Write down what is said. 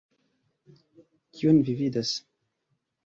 Kion vi vidas?